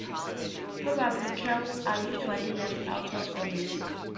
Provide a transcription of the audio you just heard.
Probable kills are usually left out of the list.